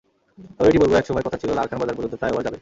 তবে এটি বলব, একসময় কথা ছিল, লালখান বাজার পর্যন্ত ফ্লাইওভার যাবে।